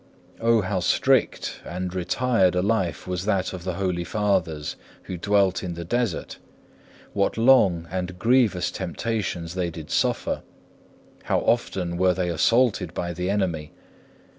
O how strict and retired a life was that of the holy fathers who dwelt in the desert! what long and grievous temptations they did suffer! how often were they assaulted by the enemy!